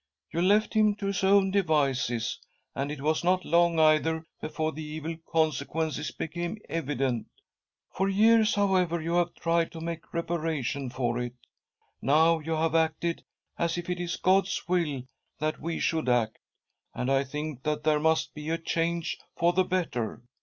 You left him to his own devices, and it was not long, either, before the evil consequences became evident'. For years, however, you have tried to make repara tion for it. Now you have acted as it is God's will that we should act, and I think that there must be a change for the better.